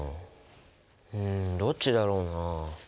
うんどっちだろうな？